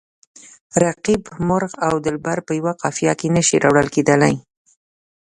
رقیب، مرغ او دلبر په یوه قافیه کې نه شي راوړل کیدلای.